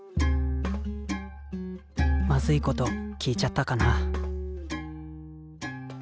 まずいこと聞いちゃったかな